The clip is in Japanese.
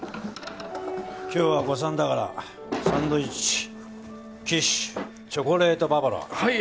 今日は午餐だからサンドイッチキッシュチョコレートババロアはい